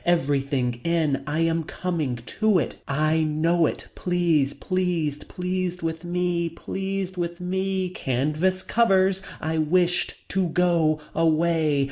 Everything. In. I am coming. To it. I know it. Please. Pleased. Pleased with me. Pleased with me. Canvas covers. I wished to go away.